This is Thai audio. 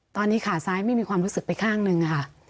ตอนนี้ขาซ้ายไม่มีความรู้สึกไปข้างหนึ่งค่ะ